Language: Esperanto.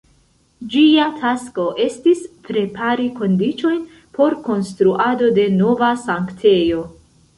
Ĝia tasko estis prepari kondiĉojn por konstruado de nova sanktejo.